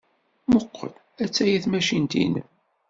Mmuqqel, attaya tmacint-nnem.